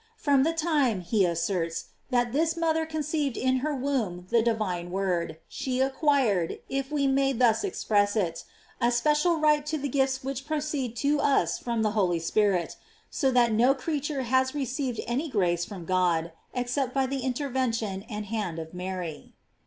From the time, he asserts, that this mother conceived in her womb the Divine Word, she acquired, if we may thus express it, a special right to the gifts which proceed to us from the Holy Spirit, BO that no creature has received any grace from God except by the intervention and hand of Mary.